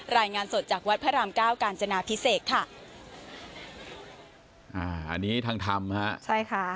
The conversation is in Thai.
รายงานสดจากวัดพระรามเก้ากาญจนาพิเศษค่ะอ่าอันนี้ทางธรรมฮะใช่ค่ะ